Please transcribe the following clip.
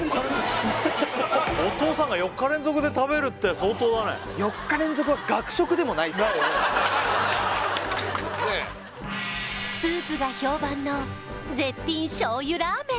お父さんが４日連続で食べるって相当だね４日連続はスープが評判の絶品醤油ラーメン